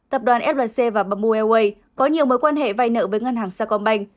tập đoàn flc và bamboo airways có nhiều mối quan hệ vay nợ với ngân hàng saigon bank